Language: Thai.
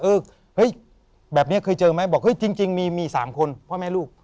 เฮ้ยแบบนี้เคยเจอไหมบอกเฮ้ยจริงมี๓คนพ่อแม่ลูก